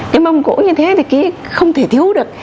cái mông cổ như thế thì không thể thiếu được